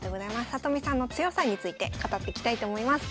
里見さんの強さについて語っていきたいと思います。